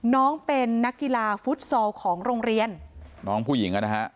น้องเป็นนักกีฬาฟุตซอลของโรงเรียนน้องผู้หญิงอ่ะนะฮะ